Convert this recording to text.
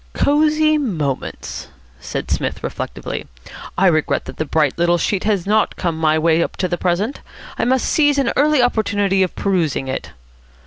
"Cosy Moments?" said Psmith reflectively. "I regret that the bright little sheet has not come my way up to the present. I must seize an early opportunity of perusing it."